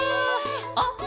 あっ！